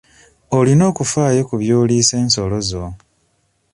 Olina okufaayo ku by'oliisa ensolo zo.